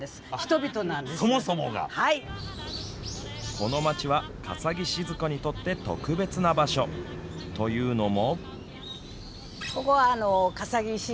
この町は笠置シヅ子にとって特別な場所。というのも。